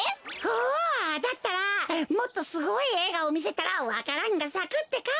おおだったらもっとすごいえいがをみせたらわか蘭がさくってか。